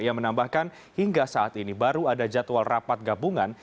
ia menambahkan hingga saat ini baru ada jadwal rapat gabungan